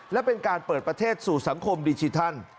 และเป็นการเปิดประเทศสู่สังคมดิจิทัล